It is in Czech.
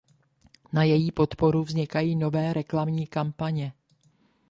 Na její podporu vznikají nové reklamní kampaně.